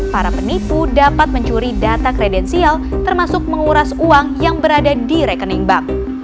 para penipu dapat mencuri data kredensial termasuk menguras uang yang berada di rekening bank